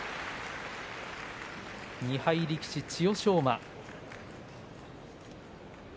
２敗力士、千代翔馬。